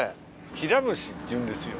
ヒラムシっていうんですよ。